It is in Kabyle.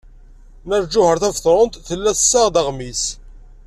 Nna Lǧuheṛ Tabetṛunt tella tessaɣ-d aɣmis.